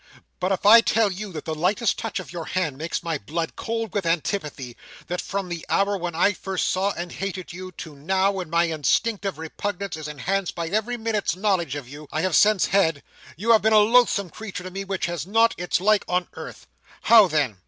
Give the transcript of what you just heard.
But if I tell you that the lightest touch of your hand makes my blood cold with antipathy; that from the hour when I first saw and hated you, to now, when my instinctive repugnance is enhanced by every minute's knowledge of you I have since had, you have been a loathsome creature to me which has not its like on earth; how then?"